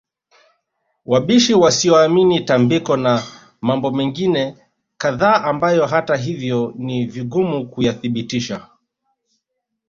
wabishi wasioamini tambiko na mambo mengine kadhaa ambayo hata hivyo ni vigumu kuyathibitisha